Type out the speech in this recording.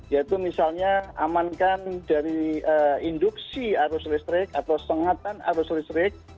yaitu misalnya amankan dari induksi arus listrik atau sengatan arus listrik